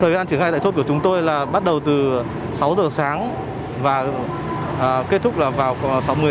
thời gian triển khai tại thốt của chúng tôi là bắt đầu từ sáu h sáng và kết thúc là vào một mươi tám h ba mươi tối